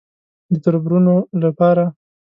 _د تربرونو له پاره.